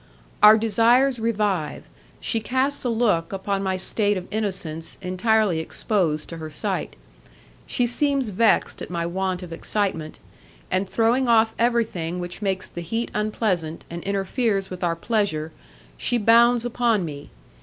Our desires revive; she casts a look upon my state of innocence entirely exposed to her sight. She seems vexed at my want of excitement, and, throwing off everything which makes the heat unpleasant and interferes with our pleasure, she bounds upon me.